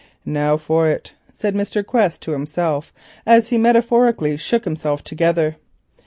"Now for it," said Mr. Quest to himself as he metaphorically shook himself together.